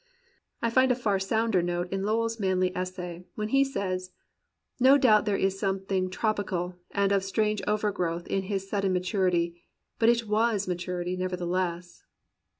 I find a far sounder note in Lowell's manly essay, when he says: "No doubt there is something tropical and of strange overgrowth in his sudden maturity, but it was ma turity nevertheless."